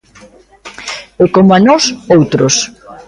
E coma nós, outros.